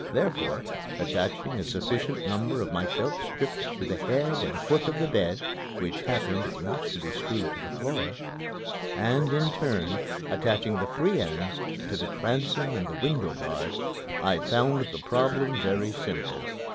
Therefore, attaching a sufficient number of my felt strips to the head and foot of the bed (which happened not to be screwed to the floor), and, in turn, attaching the free ends to the transom and the window guard, I found the problem very simple.